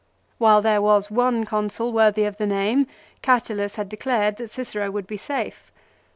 While there was one Consul worthy of the name, Catulus had declared that Cicero would be safe.